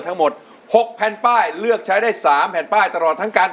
ทั้งหมด๖แผ่นป้ายเลือกใช้ได้๓แผ่นป้ายตลอดทั้งการ